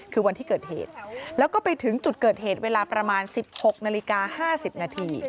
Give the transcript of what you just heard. คือวันที่เกิดเหตุแล้วก็ไปถึงจุดเกิดเหตุเวลาประมาณ๑๖นาฬิกา๕๐นาที